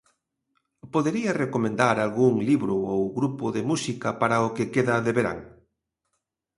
Podería recomendar algún libro ou grupo de música para o que queda de verán?